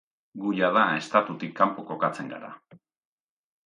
Gu jada estatutik kanpo kokatzen gara.